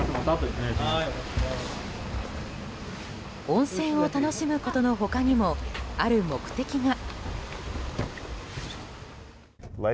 温泉を楽しむことの他にもある目的が。